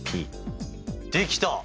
できた！